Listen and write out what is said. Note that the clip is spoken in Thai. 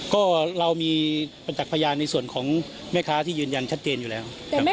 ก็เรามีปัจจักรพยานที่ส่วนของแม่ค้าจริงอยู่แล้ว